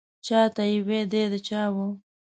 چا ته یې وې دی د چا و.